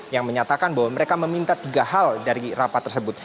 yang menyatakan bahwa mereka meminta tiga hal dari rapat tersebut